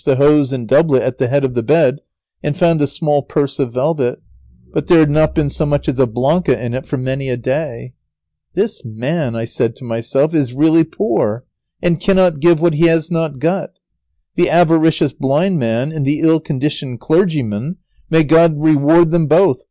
I quickly searched the hose and doublet at the head of the bed, and found a small purse of velvet, but there had not been so much as a blanca in it for many a day. "This man," I said to myself, "is really poor, and cannot give what he has not got. The avaricious blind man and the ill conditioned clergyman, may God reward them both!